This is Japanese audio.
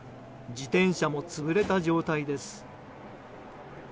自転車も潰れた状態です。